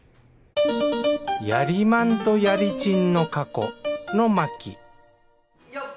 ヤリマンとヤリチンの過去の巻よっ！